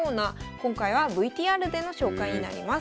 今回はＶＴＲでの紹介になります。